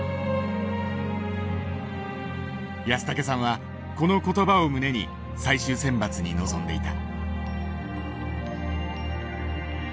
安竹さんはこの言葉を胸に最終選抜に臨んでいた。